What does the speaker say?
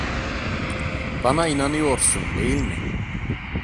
Bana inanıyorsun, değil mi?